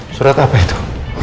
surat apa itu